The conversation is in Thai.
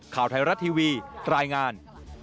ข่าวไทยรัฐทีวีรายงาน